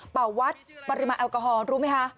วัดปริมาณแอลกอฮอลรู้ไหมคะ